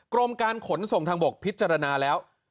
กรมการขนส่งทางบกพิจารณาแล้ว